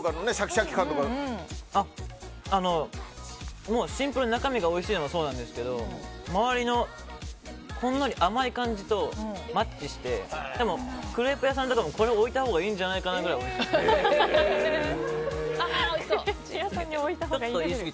シンプルに中身がおいしいのもそうなんですけど周りのほんのり甘い感じとマッチしてクレープ屋さんこれ置いたほうがいいんじゃないかなってくらいおいしいです。